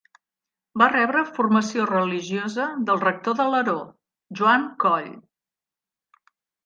Va rebre formació religiosa del rector d'Alaró Joan Coll.